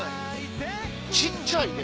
小っちゃいね！